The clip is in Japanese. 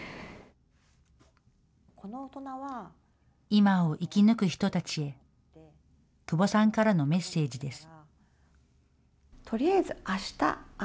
今を生き抜く人たちへ、窪さんからのメッセージです。